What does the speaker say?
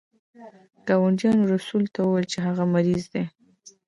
ګاونډیانو رسول ته وویل چې هغه مریض دی.